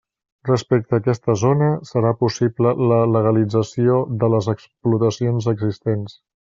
Respecte a aquesta zona, serà possible la legalització de les explotacions existents.